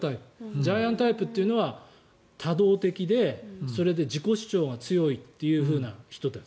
ジャイアンタイプというのは多動的で自己主張が強いという人たち。